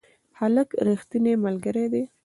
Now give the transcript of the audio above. هلک رښتینی ملګری دی.